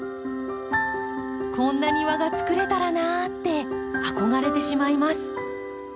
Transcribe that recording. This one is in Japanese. こんな庭がつくれたらなって憧れてしまいます。